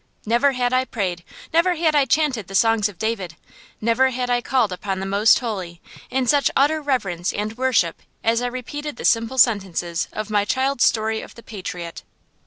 Never had I prayed, never had I chanted the songs of David, never had I called upon the Most Holy, in such utter reverence and worship as I repeated the simple sentences of my child's story of the patriot.